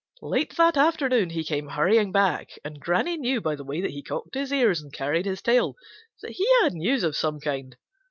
Late that afternoon he came hurrying back, and Granny knew by the way that he cocked his ears and carried his tail that he had news of some kind.